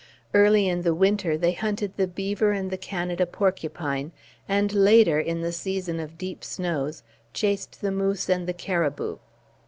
Early in the winter, they hunted the beaver and the Canada porcupine; and, later, in the season of deep snows, chased the moose and the caribou.